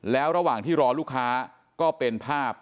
แล้วระหว่างที่รอลูกค้าก็เป็นภาพ